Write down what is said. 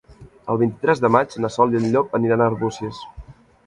El vint-i-tres de maig na Sol i en Llop aniran a Arbúcies.